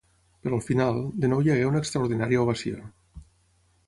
Però al final, de nou hi hagué una extraordinària ovació.